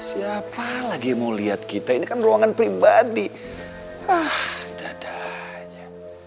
siapa lagi mau lihat kita ini kan ruangan pribadi hah dada aja